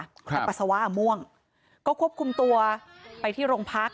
แต่ปัสสาวะม่วงก็ควบคุมตัวไปที่โรงพัก